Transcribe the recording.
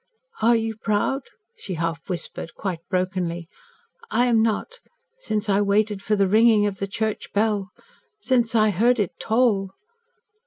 "Are you proud?" she half whispered quite brokenly. "I am not since I waited for the ringing of the church bell since I heard it toll.